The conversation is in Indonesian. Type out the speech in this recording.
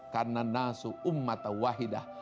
karena nasuh ummat wahidah